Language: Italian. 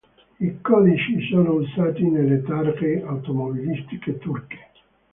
I codici sono usati nelle targhe automobilistiche turche.